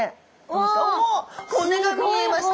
おっ骨が見えました！